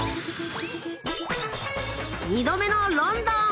２度目のロンドン。